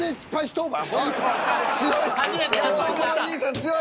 強い！